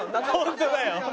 ホントだよ。